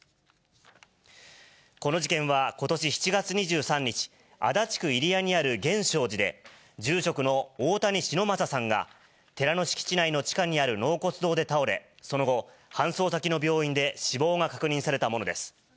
この事件はことし７月２３日、足立区入谷にある源証寺で、住職の大谷忍昌さんが、寺の敷地内の地下にある納骨堂で倒れ、その後、搬送先の病院で死亡が確認されたものです。